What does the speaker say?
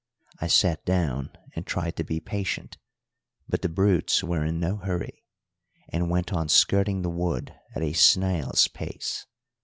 I sat down and tried to be patient, but the brutes were in no hurry, and went on skirting the wood at a snail's pace.